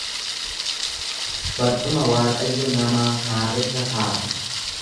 Barcuma Waaqayyo namaa kaa'erra taa'u.